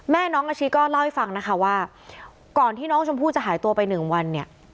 น้องอาชิก็เล่าให้ฟังนะคะว่าก่อนที่น้องชมพู่จะหายตัวไปหนึ่งวันเนี่ย